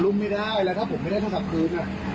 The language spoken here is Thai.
หลุมไม่ได้แล้วถ้าผมไม่ได้ทางกลับพื้นอ่ะ